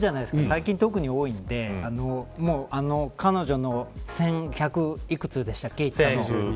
最近、特に多いんで彼女の１１００いくつでしたっけ、行ったの。